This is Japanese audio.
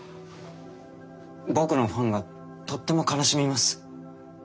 僕のファンがとっても悲しみます。